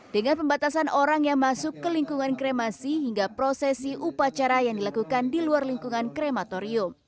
dengan pembatasan orang yang masuk ke lingkungan kremasi hingga prosesi upacara yang dilakukan di luar lingkungan krematorium